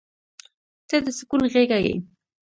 • ته د سکون غېږه یې.